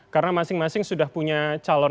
karena masing masing sudah punya calon